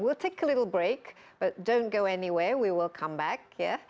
kita akan berhenti sedikit tapi jangan pergi ke mana mana saja kita akan kembali